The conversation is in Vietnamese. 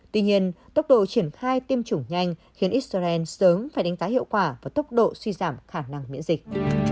tuy nhiên tốc độ triển khai tiêm chủng nhanh khiến israel sớm phải đánh giá hiệu quả và tốc độ suy giảm khả năng miễn dịch